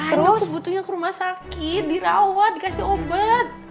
aku butuhnya ke rumah sakit dirawat dikasih obat